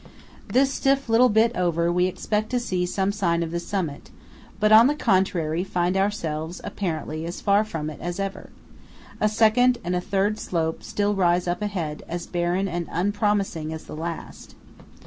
This stiff little bit over, we expect to see some sign of the summit; but on the contrary find ourselves, apparently, as far from it as ever. A second and a third slope still rise up ahead, as barren and unpromising as the last.